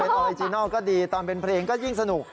โอ้โฮตอนเป็นออริจินัลก็ดีตอนเป็นเพลงก็ยิ่งสนุก